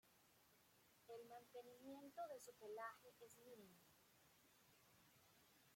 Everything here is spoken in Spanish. El mantenimiento de su pelaje es mínimo.